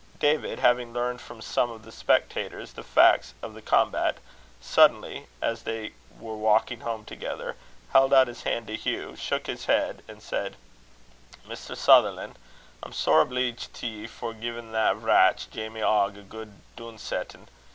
David, having learned from some of the spectators the facts of the combat, suddenly, as they were walking home together, held out his hand to Hugh, shook his hard, and said: "Mr. Sutherlan', I'm sair obleeged to ye for giein' that vratch, Jamie Ogg, a guid doonsettin'.